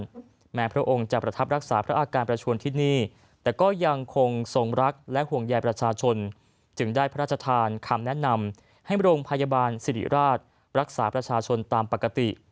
แม้พระองค์จะประทับรักษาพระอาการประชวนที่นี่แต่ก็ยังคงทรงรักและห่วงใยประชาชนจึงได้พระราชทานคำแนะนำให้โรงพยาบาลสิริราชรักษาประชาชนตามปกติ